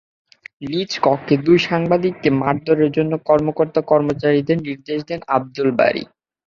নিজ কক্ষে দুই সাংবাদিককে মারধরের জন্য কর্মকর্তা-কর্মচারীদের নির্দেশ দেন আবদুল বারী।